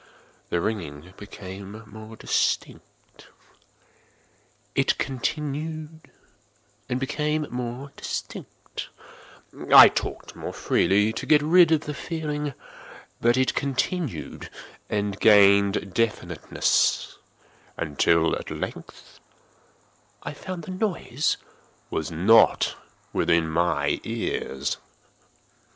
The ringing became more distinct:—it continued and became more distinct: I talked more freely to get rid of the feeling: but it continued and gained definiteness—until, at length, I found that the noise was not within my ears.